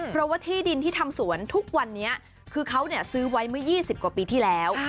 เพราะว่าที่ดินที่ทำสวนทุกวันนี้คือเขาซื้อไว้เมื่อ๒๐กว่าปีที่แล้ว